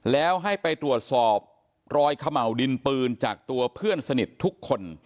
แล้วให้ไปตรวจสอบรอยเขม่าวดินปืนจากตัวเพื่อนสนิททุกคน